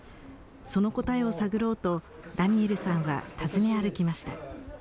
その答えを探ろうと、ダニエルさんは訪ね歩きました。